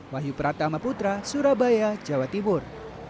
wahyu pratama putra surabaya jawa timur